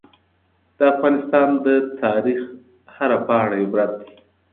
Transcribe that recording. د افغانستان د تاریخ هره پاڼه عبرت دی.